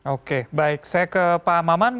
oke baik saya ke pak maman